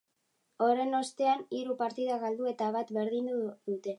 Horren ostean, hiru partida galdu eta bat berdindu dute.